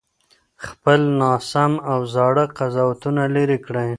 خپل ناسم او زاړه قضاوتونه لرې کړئ.